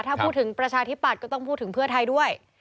ถ้าพูดถึงประชาธิปัตย์ก็ต้องพูดถึงเพื่อไทยด้วย